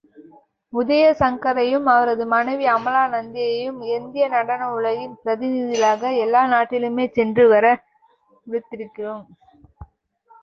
உதயசங்கரையும், அவரது மனைவி அமலா நந்தியையும் இந்திய நடன உலகின் பிரதிநிதிகளாக் எல்லா நாட்டிலுமே சென்று வர விடுத்திருக்கிறோம்.